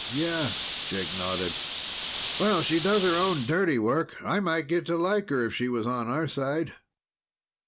"Yeah," Jake nodded. "Well, she does her own dirty work. I might get to like her if she was on our side.